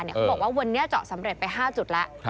เขาบอกว่าวันนี้เจาะสำเร็จไป๕จุดแล้ว